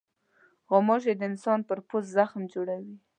غوماشې د انسان پر پوست زخم جوړوي.